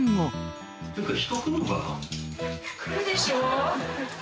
・来るでしょ